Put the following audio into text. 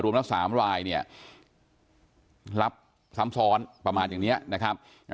รวมทั้ง๓รายเนี่ยรับซ้ำซ้อนประมาณอย่างเนี่ยนะครับ